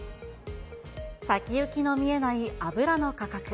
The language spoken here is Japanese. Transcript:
先行きの見えない油の価格。